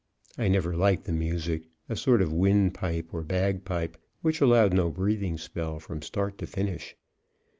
I never liked the music a sort of windpipe or bagpipe which allowed no breathing spell from start to finish.